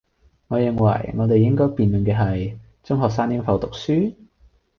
我認為，我哋應該辯論嘅係，中學生應否讀書?